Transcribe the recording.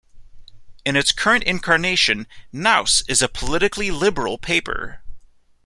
In its current incarnation, "Nouse" is a politically liberal paper.